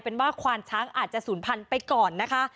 เป็นว่าควานช้างอาจจะศูนย์พันธุ์ไปก่อนนะคะ